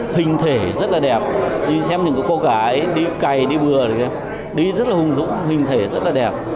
hình thể rất là đẹp đi xem những cô gái đi cày đi vừa thì đi rất là hùng dũng hình thể rất là đẹp